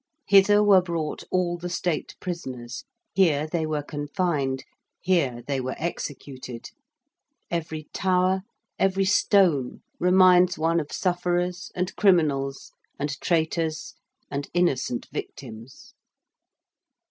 Hither were brought all the State prisoners: here they were confined: here they were executed. Every tower, every stone reminds one of sufferers and criminals and traitors and innocent victims.